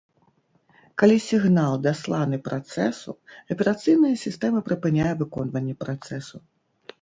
Калі сігнал дасланы працэсу, аперацыйная сістэма прыпыняе выконванне працэсу.